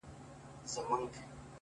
مخامخ وتراشل سوي بت ته گوري!!